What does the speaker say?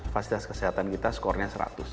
fasilitas kesehatan kita skornya seratus